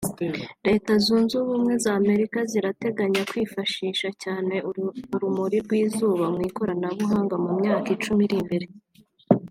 Leta Zunze Ubumwe z’Amerika zirateganya kwifashisha cyane urumuri rw’izuba mu ikoranabuhanga mu myaka icumi iri imbere